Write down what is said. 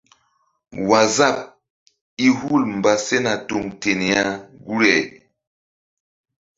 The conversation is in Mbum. Waazap i hul mba sena tuŋ ten ya guri-ah.